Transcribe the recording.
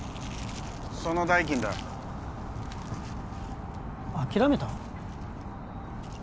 その代金だよ諦めた？